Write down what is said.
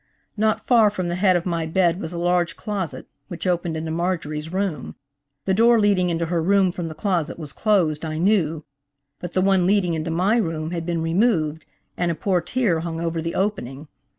Not far from the head of my bed was a large closet which opened into Marjorie's room. The door leading into her room from the closet was closed, I knew, but the one leading into my room had been removed and a portiere hung over the opening.